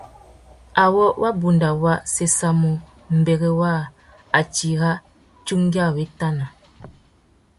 Awô wabunda wa séssamú mbêrê waā, a tira tsungüiawutana.